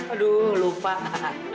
aduh lupa hahaha